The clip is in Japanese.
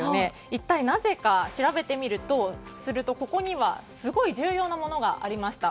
一体なぜか調べてみるとすると、ここにはすごい重要なものがありました。